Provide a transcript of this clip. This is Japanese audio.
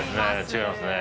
違いますね。